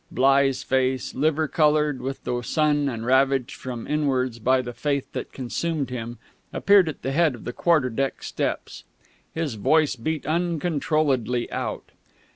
Bligh's face, liver coloured with the sun and ravaged from inwards by the faith that consumed him, appeared at the head of the quarter deck steps. His voice beat uncontrolledly out.